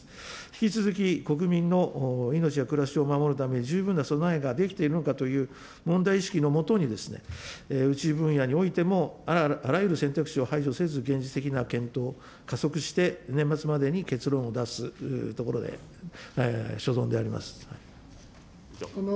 引き続き国民の命や暮らしを守るため、十分な備えが出来ているのかという、問題意識の下にですね、宇宙分野においても、あらゆる選択肢を排除せず、現実的な検討を加速して、年末までに結論を出すところで、所存であります。